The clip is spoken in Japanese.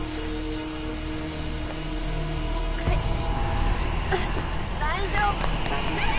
はい大丈夫？